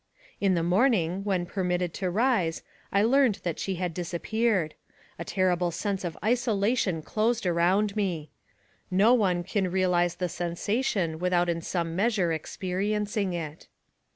In the morning, when permitted to rise, I learned that she had disappeared. A terrible sense of isola tion closed around me. No one can realize the sensa tion without in some measure experiencing it.